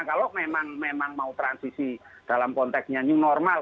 kalau memang mau transisi dalam konteksnya new normal